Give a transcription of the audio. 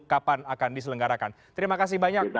kapan akan diselenggarakan terima kasih banyak